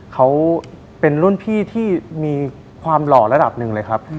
เขาเป็นรุ่นพี่ที่มีความหล่อระดับหนึ่งเลยครับ